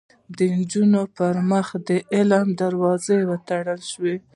د نجونو پر مخ د علم دروازې وتړل شوې